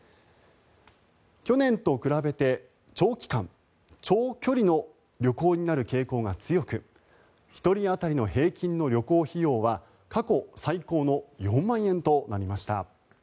去年と比べて長期間、長距離の旅行になる傾向が強く１人当たりの平均の旅行費用は過去最高の４万円となりました。